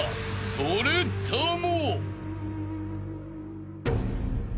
それとも］